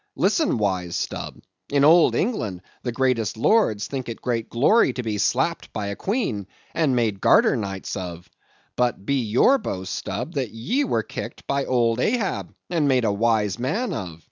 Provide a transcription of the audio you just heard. Listen, wise Stubb. In old England the greatest lords think it great glory to be slapped by a queen, and made garter knights of; but, be your boast, Stubb, that ye were kicked by old Ahab, and made a wise man of.